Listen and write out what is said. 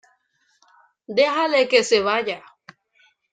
dejale que se vaya.